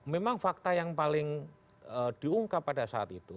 memang fakta yang paling diungkap pada saat itu